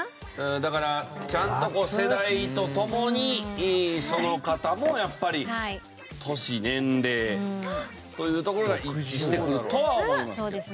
だからちゃんと世代と共にその方もやっぱり年年齢というところが一致してくるとは思いますけど。